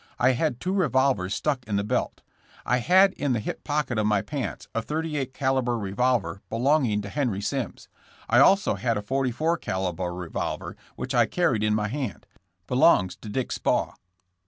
I had two revolvers stuck in the belt. I had in the hip pocket of my pants a 38 caliber revol ver belonging to Henry Simms. I also had a 44 caliber revolver, which I carried in my hand; be longs to Dick Spaw.